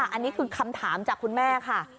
อันนี้คือคำถามจากคุณแม่ค่ะ